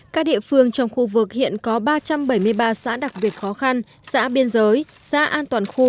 các địa phương trong khu vực hiện có ba trăm bảy mươi ba xã đặc biệt khó khăn xã biên giới xã an toàn khu